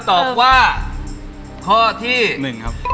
ตอบว่าข้อที่๑ครับ